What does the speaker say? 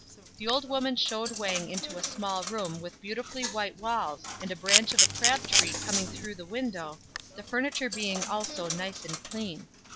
The old woman showed Wang into a small room with beautifully white walls and a branch of a crab apple tree coming through the window, the furniture being also nice and clean.